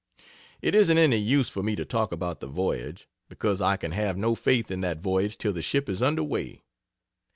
It isn't any use for me to talk about the voyage, because I can have no faith in that voyage till the ship is under way.